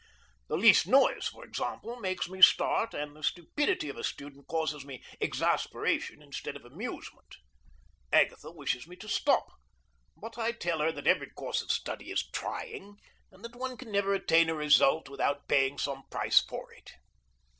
The least noise, for example, makes me start, and the stupidity of a student causes me exasperation instead of amusement. Agatha wishes me to stop, but I tell her that every course of study is trying, and that one can never attain a result with out paying some price for it.